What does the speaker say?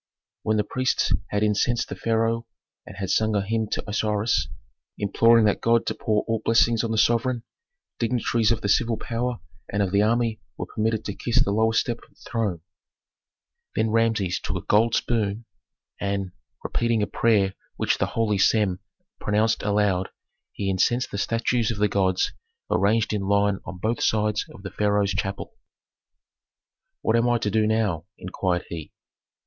When the priests had incensed the pharaoh and had sung a hymn to Osiris, imploring that god to pour all blessings on the sovereign, dignitaries of the civil power and of the army were permitted to kiss the lowest step of the throne. Then Rameses took a gold spoon, and, repeating a prayer which the holy Sem pronounced aloud, he incensed the statues of the gods arranged in line on both sides of the pharaoh's chapel. "What am I to do now?" inquired he.